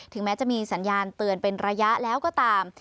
แม้จะมีสัญญาณเตือนเป็นระยะแล้วก็ตาม